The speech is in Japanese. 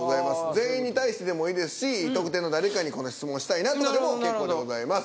全員に対してでもいいですし特定の誰かにこの質問したいなというのでも結構でございます。